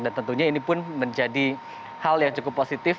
dan tentunya ini pun menjadi hal yang cukup positif